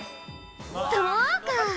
「そうか！」